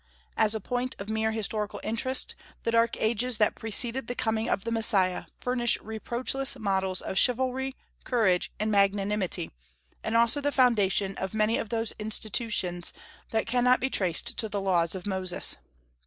As a point of mere historical interest, the dark ages that preceded the coming of the Messiah furnish reproachless models of chivalry, courage, and magnanimity, and also the foundation of many of those institutions that cannot be traced to the laws of Moses.